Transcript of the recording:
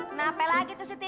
kenapa lagi tuh siti